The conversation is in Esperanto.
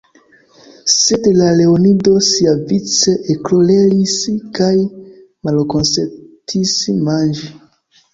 Sed la leonido siavice ekkoleris kaj malkonsentis manĝi.